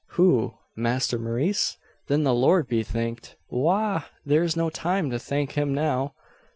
"Who? Masther Maurice? Thin the Lord be thanked " "Wagh! thur's no time to thank him now.